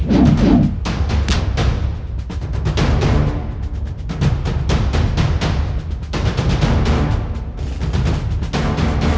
aku akan melihatnya